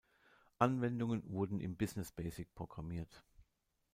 Anwendungen wurden im Business Basic programmiert.